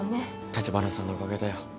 立花さんのおかげだよ。